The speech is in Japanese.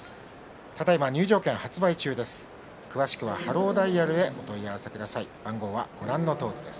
ただいま入場券発売中です。